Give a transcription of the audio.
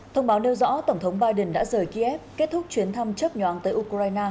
thông báo nêu rõ tổng thống biden đã rời kiev kết thúc chuyến thăm chấp nhóm tới ukraine